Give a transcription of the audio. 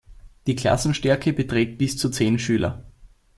Die Klassenstärke beträgt bis zu zehn Schüler.